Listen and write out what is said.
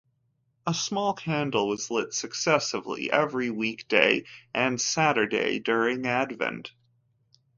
A small candle was lit successively every weekday and Saturday during Advent.